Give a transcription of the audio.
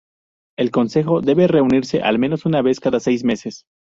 El Consejo debe reunirse al menos una vez cada seis meses.